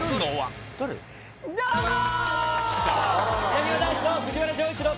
なにわ男子の藤原丈一郎と。